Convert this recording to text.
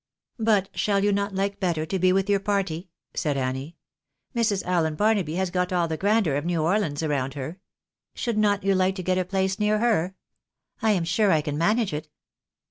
" But shall you not like better to be with your party ?" said Annie. " Mrs. Allen Barnaby has got all the grandevir of New Orleans round her. Should not you like to get a place near here ? I am sure I can manage it."